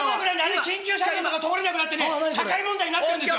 緊急車両とか通れなくなってね社会問題になってるんですよ！